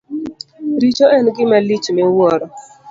Richo en gima lich miwuoro.